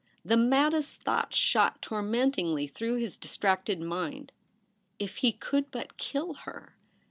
The maddest thoughts shot tormentlngly through his dis tracted mind. If he could but kill her!